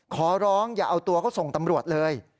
ขอร้องอย่าเอาตัวเขาส่งตำรวจเลย